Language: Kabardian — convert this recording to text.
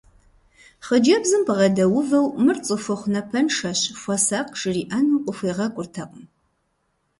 Хъыджэбзым бгъэдэувэу мыр цӏыхухъу напэншэщ, хуэсакъ жриӏэну къыхуегъэкӏуртэкъым…